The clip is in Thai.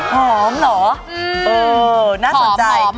หอม